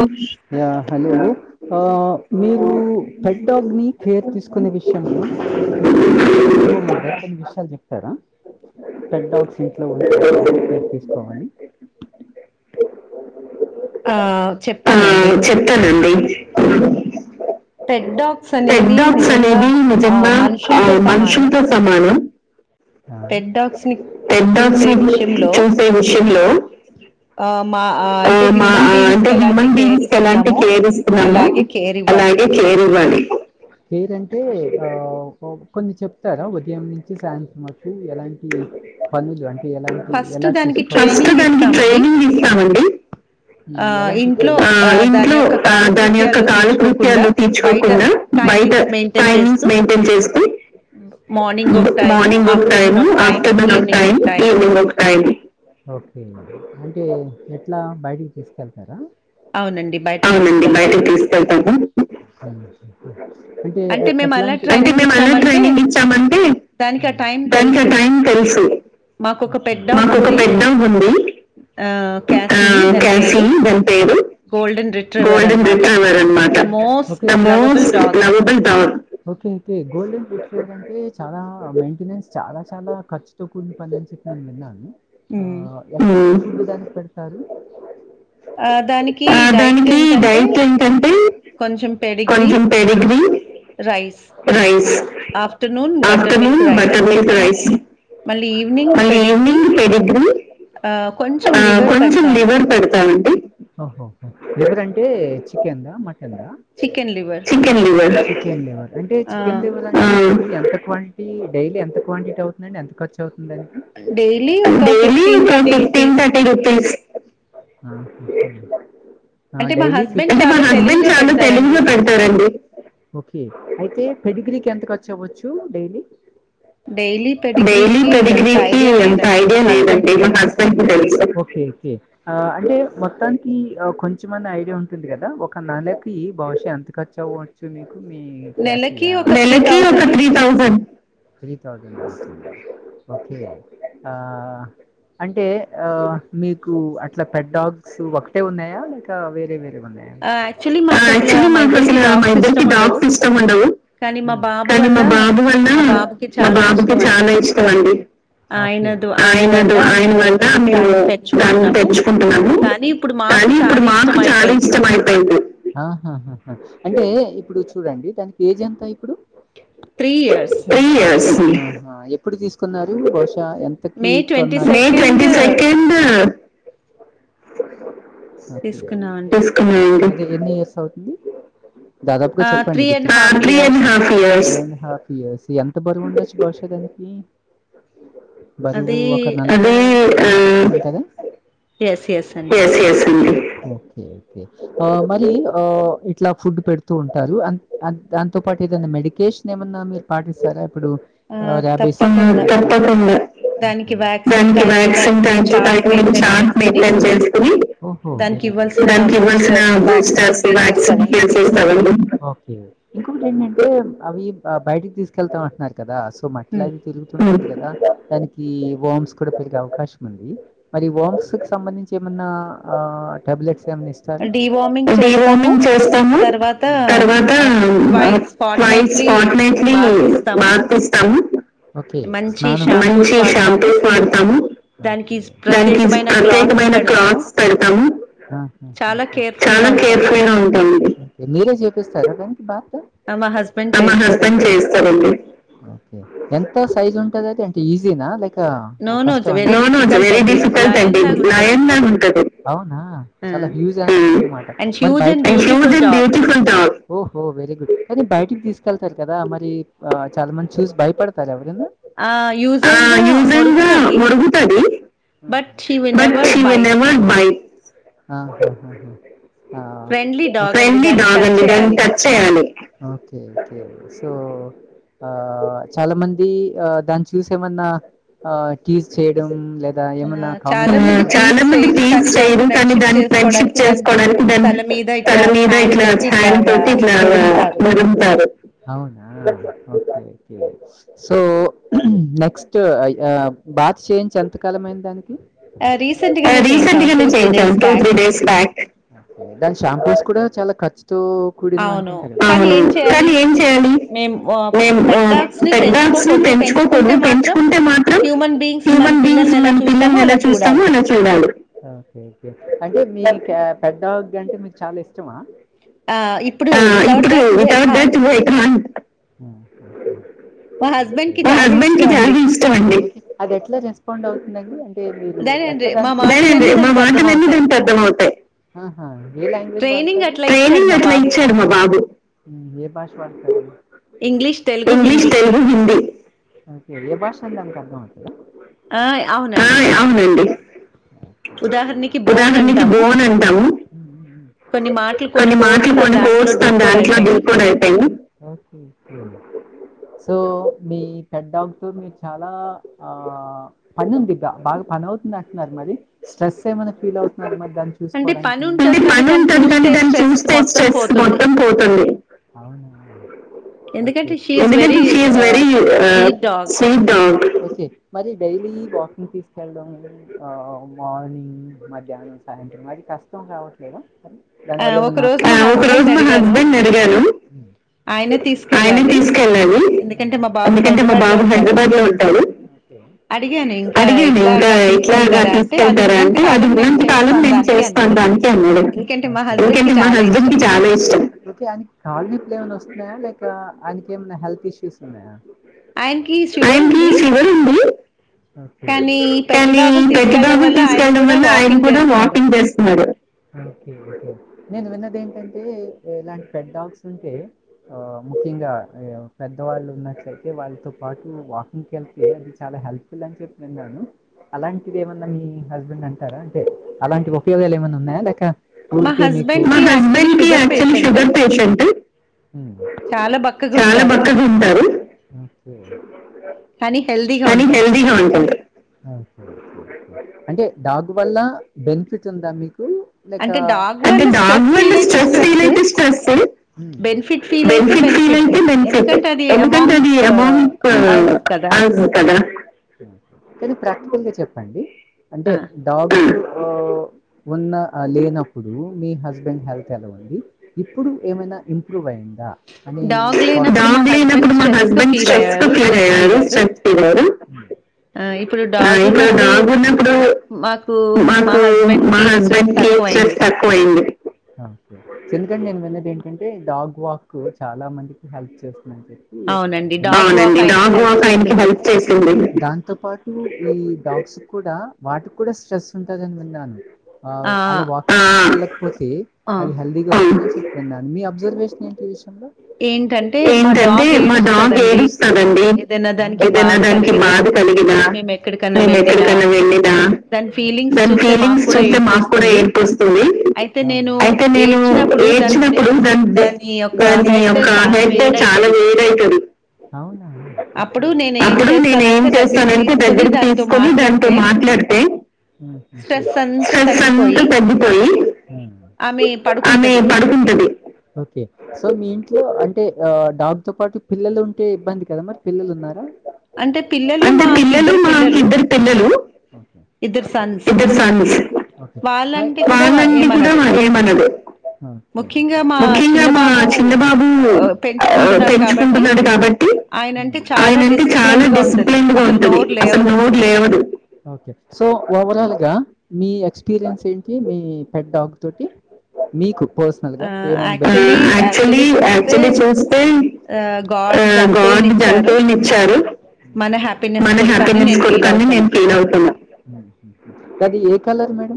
అష్ యా హలో ఆ మీరు పెాగ్ ని ఫేర్ తీ కొన్ని విషయంలో కొ విషయాలు చెప్తారా ఇంట్లో ఉ తీసుకో ఆ చెప్తానండి డా పెెక్ డాగ్స్ అనేది నిజంగా ఆ మనుషుంతో సమానం టస్ చూసే విషయంలో మా అంటే హ్యూమన్ బీయింగ్స్ ఎలాంటి కేర్ ఇస్తున్నామో అలాగే కేర్ ఇవ్వాలి కేర్ అంటే ఆ కొన్ని చెప్తారా ఉదయం నుంచి సాయంత్రం వరకూ ఎలాంటీ పనులు అంట్ ఎలాంటివి ఎలా చేసుకో అండి ఉమ్ ఎలాంటి ట్రైనింగ్. [unintelligible] ఎట్లా బయటికి తీసుకెళ్తారా. అవునండి బయటకు తెలిసుకెళ్తాము అంటే ఎట్లాంటి హ్మ్ ఒకే ఆ క్యాసీ దాని పేరు. గోల్డెన్ రిట్ ఒకే ఓకే ఐతే గోల్డెన్ రిట్రీవర్ ర్ అంటే చాలా మెయింటెనెన్స్ చాలా చాలా ఖర్చుతో కూడిన పని అని చెప్పి నేను విన్నాను. ఆ దానికి పెడతారు. ఆ దానికీ డైట్ ఈ ఏంట్ డైట్ ఏంటంటే కొంచెం పెరిగిది rice afternoon butter milk rice మళ్ళీ ఈవినింగ్ పెడిద్దరు ఓహొహో లివరంటే చికెన్ దా మట్ చికెన్ దా. చికెన్ లివర్ అంటే చికెన్ లివర్ అంట్ ఎంత క్వాంటిటీ, డైలీ ఎంత క్వాంటిటీ అవుతుంది అండి. ఎంత ఖర్చు అవుత్ తుంది. దానికి [inaudible] ఆ డైలీ ఫఫ్టీ ఓకే అయితే పెడిగ్రీకి ఎంతఖర్చు అవచ్చూ డైలీ. ఒకే ఒకే ఆ అంటే మొత్తానికి ఆ కొంచెంమన్నా ఐడియా ఉంటుంది గదా, ఒక నెలకీ బహుశా ఎంత ఖర్చు అవ్వచ్చు మీకు. మీ క్యాసీ ఆ త్రీ థౌసండ్ రూపీస్ ఆ అంటే ఆ మీకు అట్లా పెడ్ డాగ్స్ ఒకటే ఉన్నాయా లేక వేరే వేరే ఆ అక్టువల్లి మాకు అస్సలు మా ఇద్దరికి డాగ్స్ ఇష్టం ఉండవు కానీ మా బాబు వల్ల మా బాబుకి చాలా ఇష్టం అండి. ఆయన ఆయన వల్ల మేము దాన్ని తెచ్చుకుంటున్నాము. కానీ ఇప్పుడు మాకు చాలా ఇష్టం అయింది. హా హా హా అంటే ఇప్పుడు చూడండి దానికి ఏజ్ ఎంత ఇప్పుడు [unintelligible] ఎప్పుడు తీసుకున్నారు వస్ ఎంతకి కొన్నారు స [unintelligible] ఎన్ని ఇయర్స్ అవుతుంది దాదాపుగా చెప్ గుర్తు లేద త్రీ హఫ్ ఇయర్స్ ఎంత బరువు ఉండొచ్చు. బహాషా దానికి బరువు ఒక [unintelligible] కద ఎస్ ఎస్ ఉడి ఓకే ఓకే మరి ఆ ఇట్లా ఫుడ్ పెడుతూ ఉంటారు. అం దాంతో పాటు ఏదైనా మెడికేషన్ ఏమన్నా మీరు పాటిస్తారా ఇప్పుడు [unintelligible] ఒకే ఓహో వెరీ గుడ్ హొ ఇంకొకటి ఏంటంటే అవి బయటికి తీసుకెళ్తామ అంటున్నారు. కదా సో మట్లా అది తిరుగుతు [unintelligible] దానికి వామ్స్ కూడా పెరిగే అవకాశం ఉంది. మరి వామ్స్ కి సంబంధించి ఏమన్నా టాబ్లెట్స్ ఏమన్న ఇస్తారా ట్వైట్ స్పార్ట్ నైట్లీ బాగా తీస్తాము. ఒకే స్నానం ఒకే హా హ హ ఓ మీరే చేపిస్ [unintelligible] ఒకే ఎంత సైజ్ ఉం [unintelligible] ఈజీనా కష్టం అండి అవునా చాలా హూజ్ మాట మరీ బయ ఓహో వెరీ గుడ్ కా బయటికి తీసుకెళ్తారు కదా మరి ఆ చాలా మంది చూసి భయపడతారు ఎవరు ఆ యూజువల్గా మరుగుతుంది but he we never bike friendly dog అండి టచ్ చేయాలి సో ఆ చాలా మంది ఆ దాన్ని చూసి ఏమన్నా ఆ టీజ్ చేయడం చాలా మంది ప్లీజ్ చేయరు కానీ దాన్ని ఫ్రెండ్షిప్ చేసుకోవడానికి దాన్ని తన మీద ఇట్లా హ్యాండ్ ఇట్లా అలా మరింటారు అవునా సో నెక్స్ట్ బాత్ చేయించ ఎంతకాలమయింది దానికి ఆ రీసెంట్ గానే చేయించాం టూ త్రీ డేస్ బ్యాక్ దాని షాంపూస్ కూడా చాలా ఖర్చుతో అవును కానీ ఏం చేయాలి మేము పెద్దస్ ని పెంచుకోకూడదు పెంచుకుంటే మాత్రం హ్యూమన్ బీయింగ్స్ మన పిల్లల్ని ఎలా చూస్తామో అలా చూడాలి పెద్ద అంటే మీకు చాలా ఇష్టమా ఇప్పుడు వితౌట్ దట్ వట్ మంత మా హస్బెండ్ కి జాగీ ఇష్టం అండి అది ఎట్లా రెస్పాండ్ అవుతుంది నగియన్ అండి మాటలన్నీ దానికి అర్థమవుతాయి ట్రైనింగ్ అ ఇచ్చాడు మా బాబు ఇంగ్లీష్ తెలుగు హిందీ ఛందం కర్న్నావ క ఆ అవునండి ఉదాహరణకి బోన్ అంటాము కొన్ని మాటలు కొన్ని కోడ్స్ తన దాంట్లో డి కోడ్ అయిపోయినయ్ సో మీ హెడ్ ఆఫ్ తో మీరు చాలా ఆ పని ఉందిగా బాగా పని అవుతుంది అంటున్నారు మరి స్ట్రెస్ ఏమనా ఫీల్ అవుతున్నారా మరి దాన్ని చూసుకోవడానికి ఉంటది కానీ దాన్ని చూస్తే స్ట్రెస్ మొత్తం పోతుంది ఎందుకంటే she is very sweet dog మరి డైలీ వాకింగ్ తీసుకెళ్ళడం ఆ మార్నింగ్ మధ్యాహ్నం సాయంత్రం అది కష్టం కావట్లేదా ఆ ఒక రోజు మా హస్బెండ్ అడిగాను ఆయనే తీసుకెళ్ళాలి ఎందుకంటే మా బాబు హైదరాబాద్ లో ఉంటాడు అడిగింది ఇంకా ఇట్లాగా తీసుకెళ్తారా అంటే అది ఉన్నంత కాలం నేను చేస్తాను దానికే అన్నాడు ఎందుకంటే మా హస్బెండ్ కి చాలా ఇష్టం ఆ లైక ఆయనక ఏమన్నా హెల్త్ ఇష్యూస్ ఉన్నాయా ఆయనకి షుగర్ ఉంది కానీ ఈ పెట్టు డాగును తీసుకెళ్డం వల్ల ఆయన కూడా వాకింగ్ చేస్తున్నాడు ఓకేఓకే నేను విన్నది ఏంటంటే ఇలాంటి పెడ్ డాగ్స్ ఉంటే ఆ ముఖ్యంగా పెద్దవాళ్ళు ఉన్నట్యితే వాళ్ళతో పాటు వాకింగ్కి వెళ్తే అది చాలా హెల్ పిల్లని చెప్ప ననును అలాంటిది ఏమన్నా మీ హస్బెండ్ అంటారా అంటే అలాంటి ఒకపయోగాలు ఏమైన్నా ఉన్నాయా లేక మా హస్బెండ్ కి యాక్చువల్లీ షుగర్ పేషెంట్ చాలా బక్క తింటారు కానీ హెల్ అంటే డాగ్ వల్ల బెనిఫిట్ ఉందా మీకు అంటే దాని వల్ల స్ట్రెస్ ఫీల్ అయితే స్ట్రెస్ బెనిఫిట్ ఫీల్ అయితే బెనిఫిట్ ఎందుకంటే అది అమౌంట్ అదు కదా కానీ ప్రాక్టికల్ గా చెప్పండి అంటే డాగు ఉన్న లేనప్పుడు మీ హస్బెండ్ హెల్త్ ఎలా ఉంది ఇప్పుడు ఏమైనా ఇంప్రూవ్ అయ్యడి డాగ్ లేనప్పుడు మా హస్బెండ్ స్ట్రెస్ కు ఫ్లిర్ అయ్యారు స్ట్రెస్ ఫీల్ అయ్యారు ఆ ఇప్పుడు డాగ ఉన్నప్పుడు మాకు మా హస్బెండ్ కి స్ట్రెస్ తక్కువ అయింది కే ఎందుకండి నేను విన్నది ఏంటంటే డాగ్ వాక్ చాలా మందికి హెల్ప్ చేస్తాను అవునండి నాగు ఆయనకి హెల్ప్ చేసింది ఈ డాగస్ కూడా వాటికి కూడా స్ట్రెస్ ఉంటందని విన్నాను ఆ అలా వా ఓ అది హెల్దిగా చె మీ అబ్జర్వేషన్ ఏంటి ఏంటంటే మా డాగ్ ఏడుస్తదండి ఏదైనా దానికి బాధ కలిగినా కలిగిదా నేను ఎక్కడికైన్నా వెళ్ళిదా దాని ఫీలింగ్స్ చూస్తే మాకు కూడా ఏర్పిస్తుంది అయితే నేను ఏడ్చినప్పుడు దాని దాని హెత్ చాలా వేర్ అవుతుంది అవునా అప్పుడు నేనే ఏం చేసి థనంటే దగ్గరకు తీసుకొని దాంతో మాట్లాడితే స్ట్రెస్ అంతా తగ్గిపోయి అమె పడుకుంటది సో అంటే ఆ డాబ్తో పాటు పిల్లలు ఉంటే ఇబ్బంది కదా మరి పిల్లలు ఉన్నారా అంటే అంటే పిల్లలు మాకి ఇద్దరు పిల్లలు ఇద్దరు సన్స్ వాళ్ళంటే కూడా ఏమనదు ముఖ్యంగా మా చిన్నబాబు పెంచుకుంటున్నాడు కాబట్టి ఆయన అంటే చాలా డిసిప్ ప్లెయిన్డ్ గా ఉంటది అసలు నోరు లేవదు ఒకే సో వా ఓవరాల్ గా మీ ఎక్స్పీరియన్స్ ఏంటి మీ పెడ్ డాగ్ తోటి మీ పర్సనల్ గా యాక్చువల్లీ యాక్చువల్లీ చూస్తే గాడ్ జంతువులు ఇచ్చారు. మన హ్యాపీనెన్స్ కొడుకున్ని నేను ఫీల్ అవుతున్నా కలర్ మేడ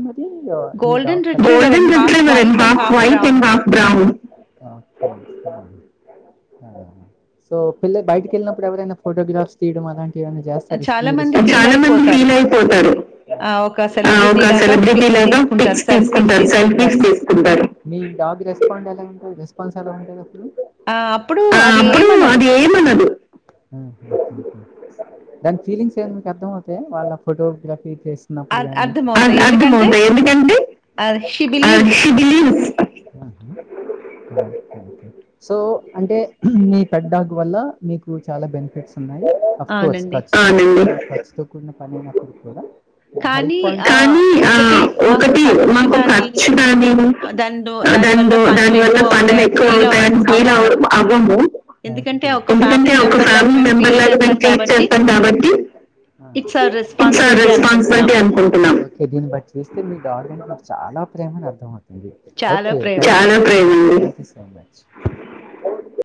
golden retriever and half white and half brown so పిల్ల బయటికి వెళ్ళినప్పుడు ఎవరైనా ఫోటోగ్రాఫ్స్ తీయడం అలాంటివి ఏమైనా చేస్తారా రెస్పాండ్ ఎలా ఉంటుంది పంచాత [unintelligible] ఉహుహు దాని ఫీలింగ్స్ ఏమైనా మీకు అర్థంమవుతయా వాళ్ళ ఫోటోగ్రఫీ చేస్తున్నప్పుడు కానీ సో అంటే మీ పెట్ డాగ్ వల్ల మీకు చాలా బెనిఫిట్స్ ఉన్నాయి. [unintelligible] ఖర్చుతో కూడిన్న పని ఉన్నప్పుడు కూడా ఆ హై క్వాంటిటీ ఒకే ఆ దీన్ని బట్టి చేస్తే మీ డాగ్ చాలా ప్రేమ అర్థం అయింది ముంది ఓకే థ్యాంక్యూ సో మచ్